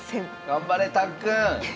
頑張れたっくん！